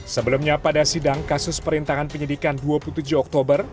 sebelumnya pada sidang kasus perintangan penyidikan dua puluh tujuh oktober